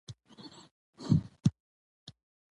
هلته د یوه دوست د زوی واده وو.